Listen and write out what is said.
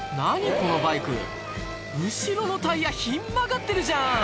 このバイク後ろのタイヤひん曲がってるじゃん